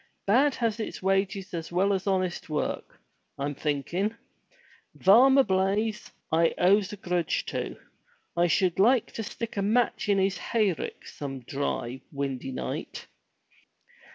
"Bad has its wages as well as honest work, I'm thinkin'. Varmer Blaize I owes a grudge to. And I shud like to stick a match in his hay rick some dry, windy night."